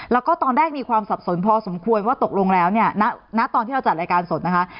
แล้วก็ตอนแรกมีความสับสนพอสมควรว่าตกลงแล้วเนี่ยณตอนที่เราจัดรายการสดนะคะ